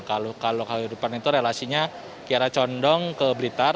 kalau kahuripan itu relasinya kira condong ke blitar